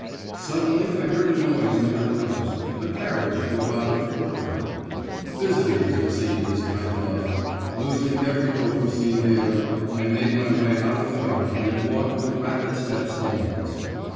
Suddenly I heard a noise near the house; a carriage drove out of the courtyard. 'Visitors, it seems,' I thought. Losing every hope of seeing Vera, I made my way out of the garden and walked with rapid steps homewards.